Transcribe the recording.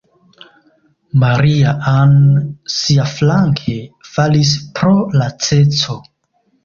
Maria-Ann, siaflanke, falis pro laceco.